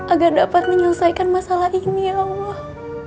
agar dapat menyelesaikan masalah ini ya allah